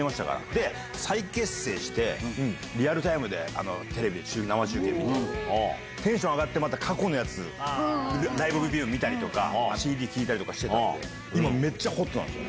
で、再結成して、リアルタイムでテレビで生中継して、テンション上がって、また過去のやつ、ライブ見たりとか、ＣＤ聴いたりとかしてたんで、今、めっちゃホットなんです。